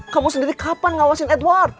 kamu sendiri kapan ngawasin edward